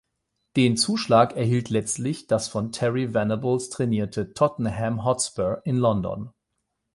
Den „Zuschlag“ erhielt letztlich das von Terry Venables trainierte Tottenham Hotspur in London.